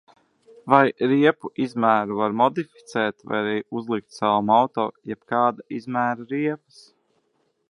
Vai riepu izmēru var modificēt vai arī uzlikt savam auto jebkāda izmēra riepas?